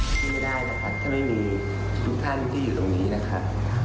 ช่วยไม่ได้นะครับถ้าไม่มีทุกท่านที่อยู่ตรงนี้นะครับ